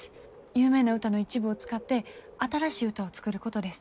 有名な歌の一部を使って新しい歌を作ることです。